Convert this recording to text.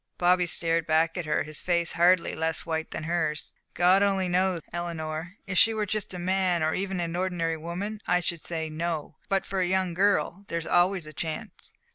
Bobby stared back at her, his face hardly less white than hers. "God only knows, Eleanor! If she were just a man, or even an ordinary woman, I should say 'no;' but for a young girl, there's always a chance.